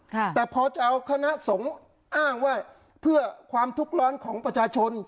แต่พอจะเอาคณะสงฆ์อ้างว่าเพื่อความทุกข์ร้อนของประชาชน